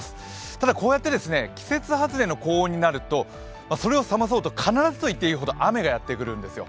ただ、こうやって季節外れの高温になるとそれを冷まそうと必ずといっていいほど雨がやってくるんですよ